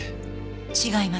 違います。